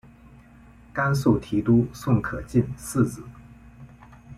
甘肃提督宋可进嗣子。